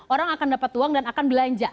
orang akan dapat uang dan akan belanja